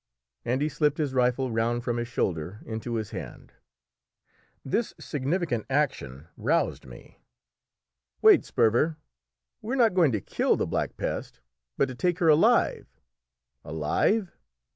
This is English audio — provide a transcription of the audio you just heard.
And he slipped his rifle round from his shoulder into his hand. This significant action roused me. "Wait, Sperver; we are not going to kill the Black Pest, but to take her alive!" "Alive?"